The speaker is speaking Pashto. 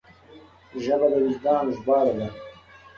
ژبه د وجدان ژباړه ده